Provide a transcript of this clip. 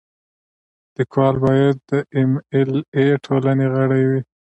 لیکوال باید د ایم ایل اې ټولنې غړی وي.